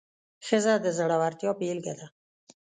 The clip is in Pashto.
ښځه د زړورتیا بیلګه ده.